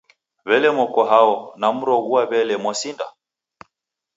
W'ele moko hao, namroghua w'ele mwasinda?